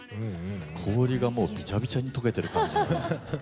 氷がもうびちゃびちゃに解けてる感じ。